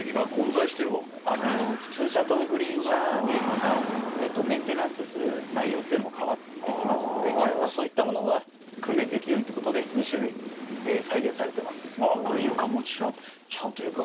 普通車とグリーン車でまたメンテナンスする内容というのも変わってきますのでそういったものが訓練できるようにという事で２種類再現されてます。